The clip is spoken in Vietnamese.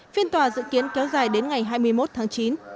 phiên tòa dự kiến kéo dài đến ngày hai mươi một tháng chín